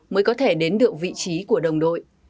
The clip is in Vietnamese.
mới có thể đến được vị trí của đồng đội